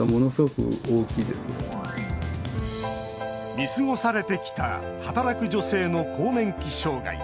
見過ごされてきた働く女性の更年期障害。